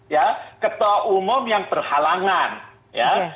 ya ketua umum yang berhalangan ya